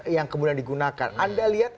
yang kemudian digunakan anda lihat